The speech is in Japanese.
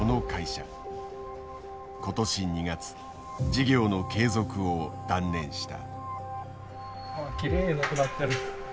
今年２月事業の継続を断念した。